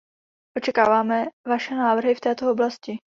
Očekáváme vaše návrhy v této oblasti.